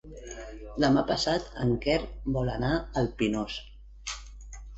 Demà passat en Quer vol anar al Pinós.